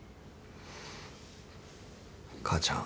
母ちゃん。